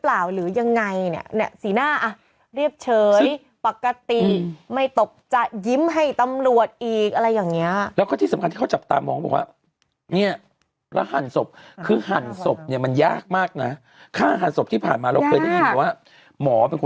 อ๋อเป็นคนทำถูกต้องไหมคะค่าหั่นศพต้องไปฆ่าผี